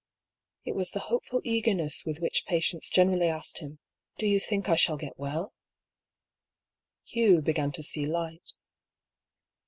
It was the hopeful eagerness with which patients generally asked him, " Do you think I shall get well ?" Hugh began to see light.